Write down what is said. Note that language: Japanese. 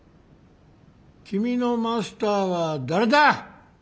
君のマスターは誰だ！